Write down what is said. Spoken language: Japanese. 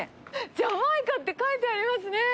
ジャマイカって書いてありますね。